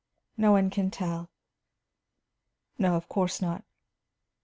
No one can tell." "No, of course not.